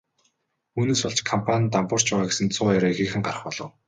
Үүнээс болж компани нь дампуурч байгаа гэсэн цуу яриа ихээхэн гарах болов.